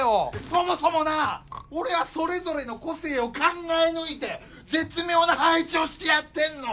そもそもな俺はそれぞれの個性を考え抜いて絶妙な配置をしてやってんの！